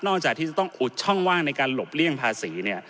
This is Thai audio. นอกจากที่จะต้องอุดช่องว่างในการหลบเลี่ยงภาษี